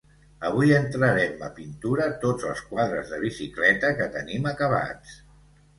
Avui entrarem a pintura tots els quadres de bicicleta que tenim acabats.